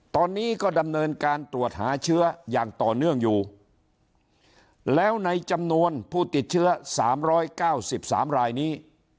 ตอนนี้ก็ดำเนินการตรวจหาเชื้ออย่างต่อเนื่องอยู่แล้วในจำนวนผู้ติดเชื้อ๓๙๓รายนี้